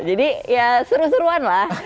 jadi ya seru seruan lah